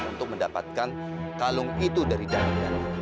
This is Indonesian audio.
untuk mendapatkan kalung itu dari dalam